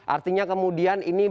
artinya kemudian ini